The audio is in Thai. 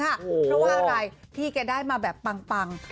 เพราะว่าอะไรพี่แกได้มาแบบปัง